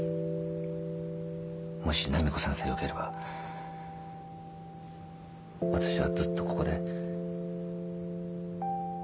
もし波子さんさえよければ私はずっとここで。